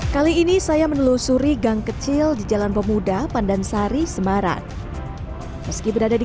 kali ini saya menelusuri gang kecil di jalan pemuda pandansari semarang meski berada di